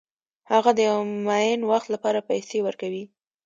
هغه د یو معین وخت لپاره پیسې ورکوي